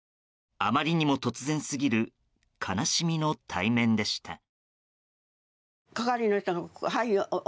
あまりにも突然すぎる悲しみの対面でした。